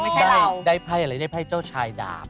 เพราะว่าได้ภัยอะไรได้ภัยเจ้าชายดาบ